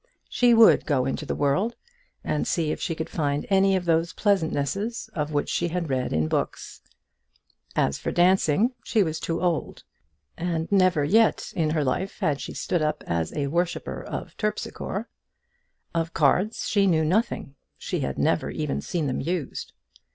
She would go into the world, and see if she could find any of those pleasantnesses of which she had read in books. As for dancing, she was too old, and never yet in her life had she stood up as a worshipper of Terpsichore. Of cards she knew nothing; she had never even seen them used.